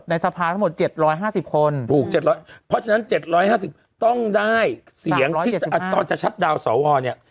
สภาทั้งหมด๗๕๐คนถูก๗๐๐เพราะฉะนั้น๗๕๐ต้องได้เสียงที่ตอนจะชัดดาวนสวเนี่ย